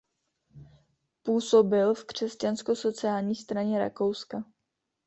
Působil v Křesťansko sociální straně Rakouska.